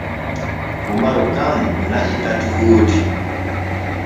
Umaru kan na’i tati woodi.